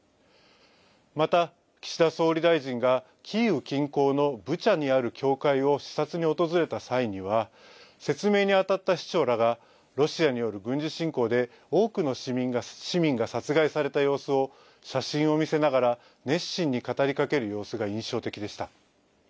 また、岸田総理大臣がキーウ近郊のブチャにある教会を視察に訪れた際には、説明に当たった市長らが、ロシアによる軍事侵攻で多くの市民が殺害された様子を、写真を見せながら、熱心に語りかける様子が印象的でした。